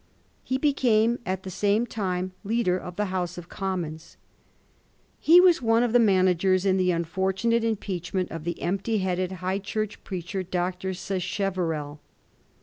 He became at the same time leader of the House of Commons. He was one of the managers in the unfortunate impeachment of the empty headed High Church preacher. Dr. Sacheverell.